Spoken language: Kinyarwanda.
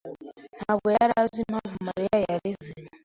ntabwo yari azi impamvu Mariya yarize.